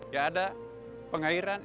ya ada pengairan